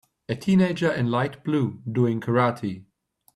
A teenager in light blue doing karate.